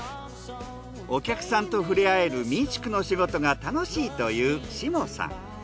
お客さんとふれあえる民宿の仕事が楽しいという下さん。